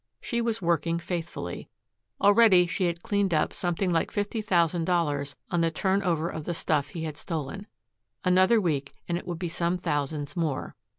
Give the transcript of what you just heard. She was working faithfully. Already she had cleaned up something like fifty thousand dollars on the turn over of the stuff he had stolen. Another week and it would be some thousands more.